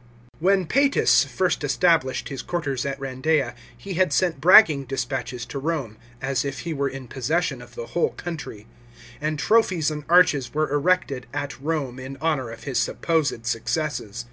§ 13. When Psetus first estiblished his quarters at Randeia, he had sent bragging dispatches to Home, as if he were in possession of the whole coun'ry; and trophies and arches were erected at Rome in honour of his supposed successes.